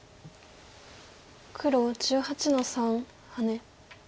黒１８の三ハネ。